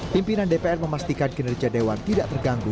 pimpinan dpr memastikan kinerja dewan tidak terganggu